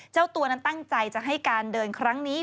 เจ้าตัวนั้นตั้งใจจะให้การเดินครั้งนี้